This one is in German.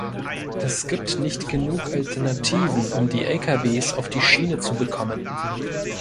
Es gibt nicht genug Alternativen, um die Lkws auf die Schiene zu bekommen.